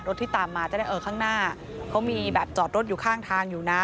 ที่ตามมาจะได้เออข้างหน้าเขามีแบบจอดรถอยู่ข้างทางอยู่นะ